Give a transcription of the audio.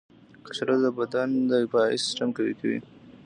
کچالو د بدن دفاعي سیستم قوي کوي.